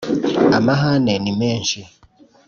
amahane ni menshi”